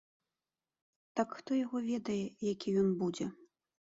Так хто яго ведае, які ён будзе.